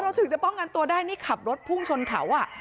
ถึงจะป้องกันตัวได้นี่ขับรถพุ่งชนเขาอ่ะ